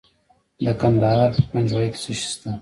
د کندهار په پنجوايي کې څه شی شته؟